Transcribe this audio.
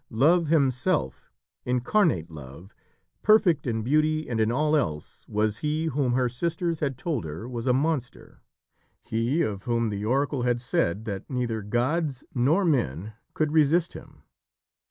Love himself, incarnate Love, perfect in beauty and in all else was he whom her sisters had told her was a monster he, of whom the oracle had said that neither gods nor men could resist him.